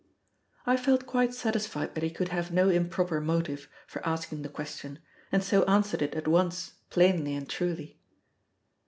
I felt quite satisfied that he could have no improper motive for asking the question, and so answered it at once plainly and truly.